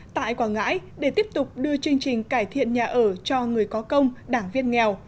tại quảng ngãi để tiếp tục đưa chương trình cải thiện nhà ở cho người có công đảng viên nghèo